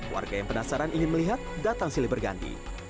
warga yang penasaran ingin melihat datang silih berganti